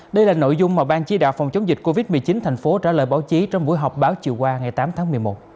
đây là nội dung mà ban chỉ đạo phòng chống dịch covid một mươi chín thành phố trả lời báo chí trong buổi họp báo chiều qua ngày tám tháng một mươi một